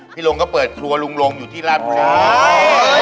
พี่โรงก็เปิดครัวลุงอยู่ที่ราชพลาด